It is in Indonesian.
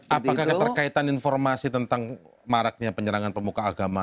apakah keterkaitan informasi tentang maraknya penyerangan pemuka agama